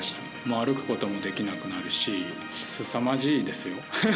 歩くこともできなくなるしすさまじいですよ。